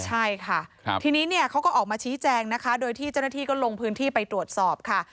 ใช่ค่ะทีนี้เนี่ยเขาก็ออกมาชี้แจงนะคะโดยที่เจ้าหน้าที่ก็ลงพื้นที่ไปตรวจสอบค่ะ